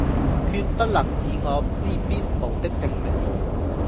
決不能以我之必無的證明，